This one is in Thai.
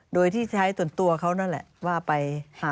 โดยที่ใช้ส่วนตัวเขานั่นแหละว่าไปหา